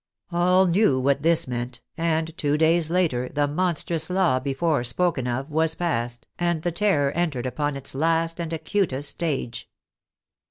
All knew what this meant, and two days later the monstrous law before spoken of was passed, and the Terror entered upon its last and acutest stage.